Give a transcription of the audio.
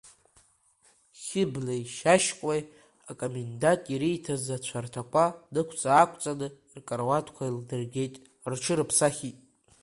Хьыблеи Шьашькәеи акомендант ириҭаз ацәарҭақәа нықәҵа-аақәҵаны ркаруаҭқәа еилдыргеит, рҽырыԥсахит.